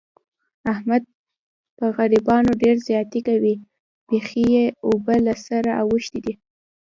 احمد په غریبانو ډېر زیاتی کوي. بیخي یې اوبه له سره اوښتې دي.